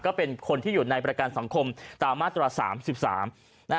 ก็เป็นคนที่อยู่ในประกันสังคมตามมาตรกราศาสตร์๓๓